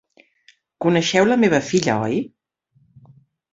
Coneixeu la meva filla, oi?